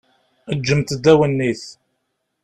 Ǧǧemt-d awennit.